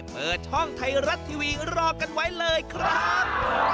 เปิดช่องไทยรัฐทีวีรอกันไว้เลยครับ